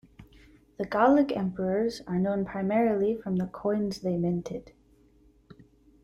The Gallic Emperors are known primarily from the coins they minted.